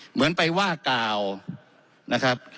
เหมือนไปว่ากล่าวนะครับ